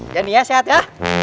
ya nih ya sehat ya